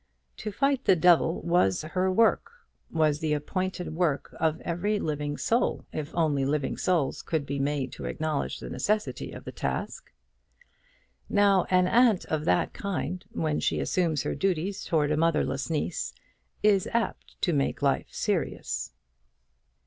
To fight the devil was her work was the appointed work of every living soul, if only living souls could be made to acknowledge the necessity of the task. Now an aunt of that kind, when she assumes her duties towards a motherless niece, is apt to make life serious.